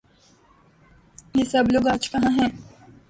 یہ سب لوگ آج کہاں ہیں؟